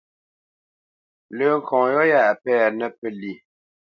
Lə́ ŋkɔŋ yɔ̂ yá a pɛ́nə́ pə́lye: